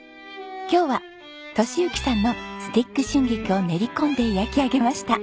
今日は敏之さんのスティック春菊を練り込んで焼き上げました。